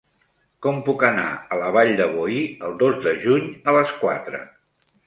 Com puc anar a la Vall de Boí el dos de juny a les quatre?